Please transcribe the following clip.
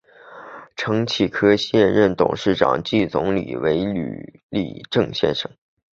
承启科技现任董事长暨总经理为吕礼正先生。